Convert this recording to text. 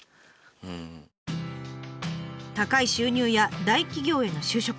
高い収入や大企業への就職。